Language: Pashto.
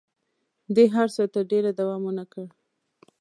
دې هر څه تر ډېره دوام ونه کړ.